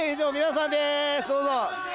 どうぞ。